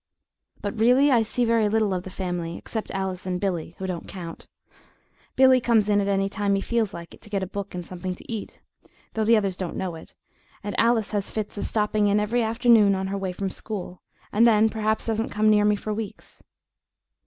But, really, I see very little of the family, except Alice and Billy, who don't count. Billy comes in at any time he feels like it to get a book and something to eat, though the others don't know it, and Alice has fits of stopping in every afternoon on her way from school, and then perhaps doesn't come near me for weeks.